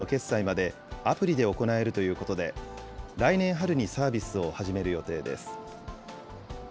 ドライバーは予約から利用料の決済までアプリで行えるということで、来年春にサービスを始める予定です。